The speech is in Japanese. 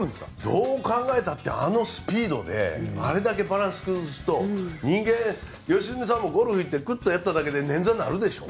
どう考えたってあのスピードであれだけバランス崩すと人間、良純さんもゴルフでちょっと、くってしたら捻挫するでしょ？